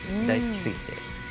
大好き過ぎて。